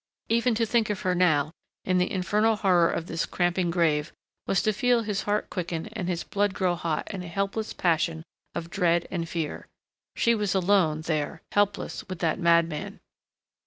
Even to think of her now, in the infernal horror of this cramping grave, was to feel his heart quicken and his blood grow hot in a helpless passion of dread and fear. She was alone, there, helpless, with that madman.